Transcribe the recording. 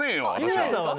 日村さんは。